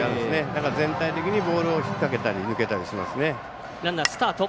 だから全体的にボールを引っ掛けたり抜けたりしますね。